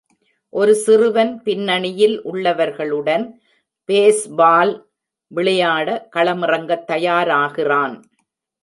ஒரு சிறுவன் பின்னணியில் உள்ளவர்களுடன் பேஸ்பால் விளையாட களமிறங்கத் தயாராகிறான்